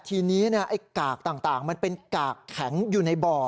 ทีนี้ไอ้กากต่างมันเป็นกากแข็งอยู่ในบ่อ